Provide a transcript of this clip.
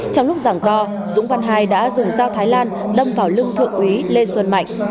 trong lúc giảng co dũng văn hai đã dùng dao thái lan đâm vào lưng thượng úy lê xuân mạnh